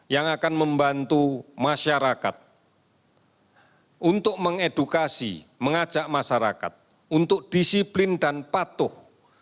yang akan membantu masyarakat untuk mengedukasi mengajak masyarakat untuk disiplin dan patuh